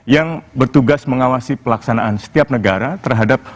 yang bertugas mengawasi pelaksanaan setiap negara terhadap